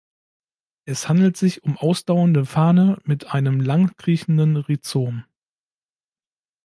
Es handelt sich um ausdauernde Farne mit einem lang kriechenden Rhizom.